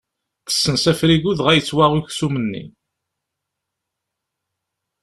Tessens afrigu dɣa yettwaɣ aksum-nni.